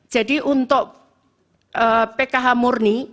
jadi untuk pkh murni